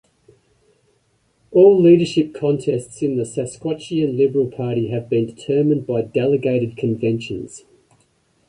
All leadership contests in the Saskatchewan Liberal Party have been determined by delegated conventions.